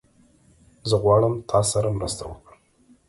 زه غواړم تاسره مرسته وکړم